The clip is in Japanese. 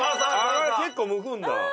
あれ結構むくんだ。